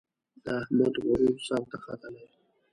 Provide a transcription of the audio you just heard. د احمد غرور سر ته ختلی.